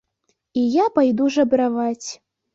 І я пайду жабраваць.